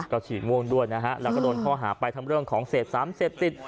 ก็ฉี่ม่วงด้วยนะฮะแล้วก็โดนข้อหาไปทั้งเรื่องของเศษสารเสพติด